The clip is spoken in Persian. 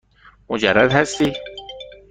مجرد هستی؟